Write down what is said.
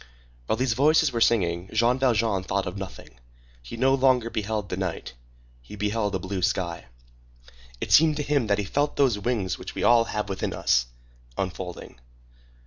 While these voices were singing, Jean Valjean thought of nothing. He no longer beheld the night; he beheld a blue sky. It seemed to him that he felt those wings which we all have within us, unfolding.